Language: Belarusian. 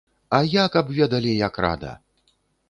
А я, каб ведалі, як рада!